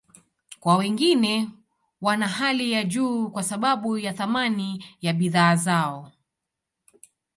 Kwa wengine, wana hali ya juu kwa sababu ya thamani ya bidhaa zao.